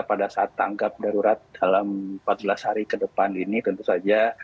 pada saat tanggap darurat dalam empat belas hari ke depan ini tentu saja